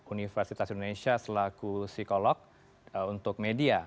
universitas indonesia selaku psikolog untuk media